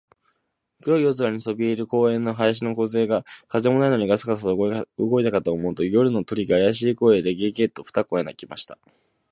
黒く夜空にそびえている公園の林のこずえが、風もないのにガサガサと動いたかと思うと、夜の鳥が、あやしい声で、ゲ、ゲ、と二声鳴きました。